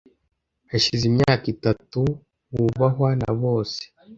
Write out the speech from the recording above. hashize imyaka itatu. Wubahwa na bose.